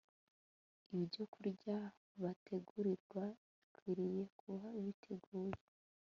Ibyokurya bategurirwa bikwiriye kuba biteguye